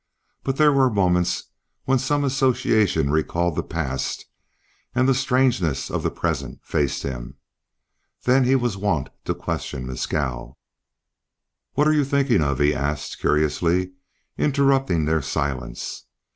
But there were moments when some association recalled the past and the strangeness of the present faced him. Then he was wont to question Mescal. "What are you thinking of?" he asked, curiously, interrupting their silence.